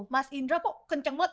mas indra kok kenceng mot